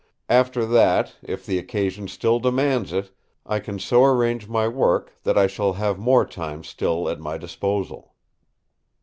After that, if the occasion still demands it, I can so arrange my work that I shall have more time still at my disposal."